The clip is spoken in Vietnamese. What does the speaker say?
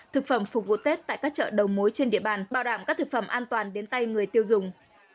thực phẩm phục vụ tết tại các chợ đầu mối trên địa bàn bảo đảm các thực phẩm an toàn đến tay người tiêu dùng